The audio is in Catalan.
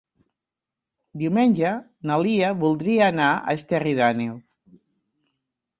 Diumenge na Lia voldria anar a Esterri d'Àneu.